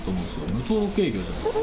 無登録営業じゃないですか？